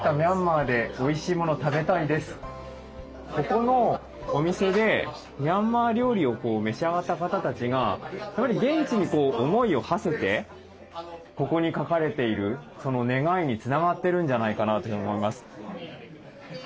ここのお店でミャンマー料理を召し上がった方たちが現地に思いをはせてここに書かれているその願いにつながってるんじゃないかなというふうに思います。